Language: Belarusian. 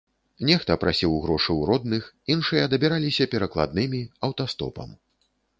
Нехта прасіў грошы ў родных, іншыя дабіраліся перакладнымі, аўтастопам.